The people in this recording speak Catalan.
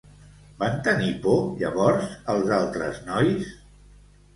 Van tenir por llavors els altres nois?